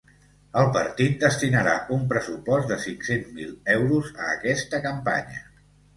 El partit destinarà un pressupost de cinc-cents mil euros a aquesta campanya.